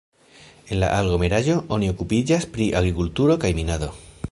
En la aglomeraĵo oni okupiĝas pri agrikulturo kaj minado.